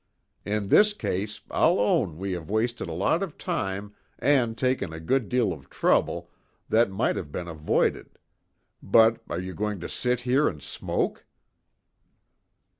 In this case I'll own we have wasted a lot of time and taken a good deal of trouble that might have been avoided. But are you going to sit here and smoke?"